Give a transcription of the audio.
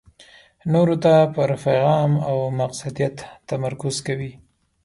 نورو ته پر پېغام او مقصدیت تمرکز کوي.